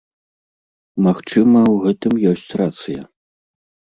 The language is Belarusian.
Магчыма, у гэтым ёсць рацыя.